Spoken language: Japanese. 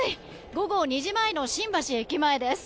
午後２時前の新橋駅前です。